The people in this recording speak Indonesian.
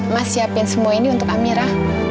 mas siapin semua ini untuk amira